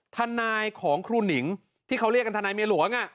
ทนายของครูหนิงที่เขาเรียกกันทนายเมียหลวง